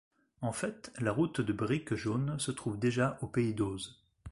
En fait la route de brique jaune se trouve déjà au pays d'Oz.